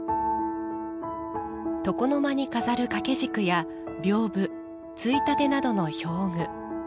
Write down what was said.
床の間に飾る掛け軸やびょうぶ、ついたてなどの表具。